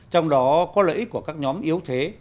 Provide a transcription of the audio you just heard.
trong đó có lợi ích của các nhóm yếu thế